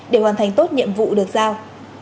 để hoàn thành tốt nhiệm vụ được giao